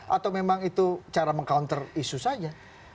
atau memang itu cara meng counter isu saja